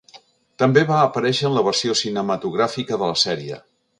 També va aparèixer en la versió cinematogràfica de la sèrie.